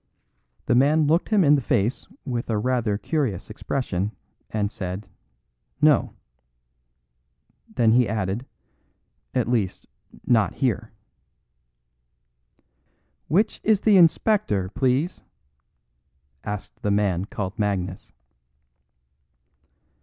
The man looked him in the face with a rather curious expression and said: "No." Then he added: "At least, not here." "Which is the inspector, please?" asked the man called Magnus.